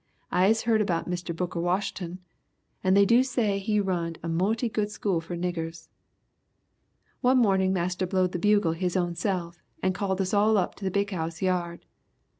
I is heard about Mr. Booker Washin'ton and they do say he runned a moughty good school for niggers. "One mornin' Marster blowed the bugle his own self and called us all up to the big 'ouse yard.